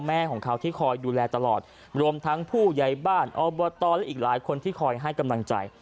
เห็นลูกเดินไปเดินมา